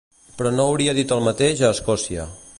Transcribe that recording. Però no hauria dit el mateix a Escòcia.